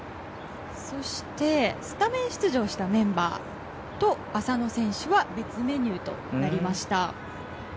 スタメン出場したメンバーと浅野選手は別メニューとなりました。